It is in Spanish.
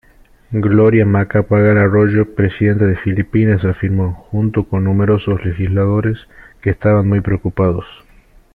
Gloria Macapagal-Arroyo, Presidenta de Filipinas, afirmó, junto con numerosos legisladores, que estaban muy preocupados.